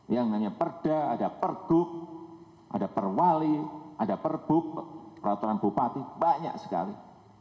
yang namanya perda ada pergub ada perwali ada perbuk peraturan bupati banyak sekali